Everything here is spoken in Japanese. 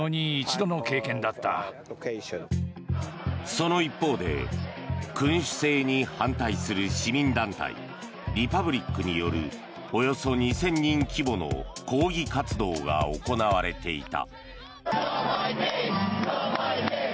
その一方で君主制に反対する市民団体リパブリックによるおよそ２０００人規模の抗議活動が行われていた。